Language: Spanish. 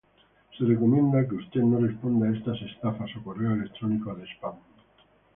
Se recomienda que usted no responda a estas estafas o correos electrónicos de spam.